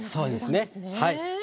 そうですねはい。